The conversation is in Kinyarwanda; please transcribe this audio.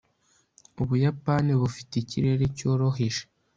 ubuyapani bufite ikirere cyoroheje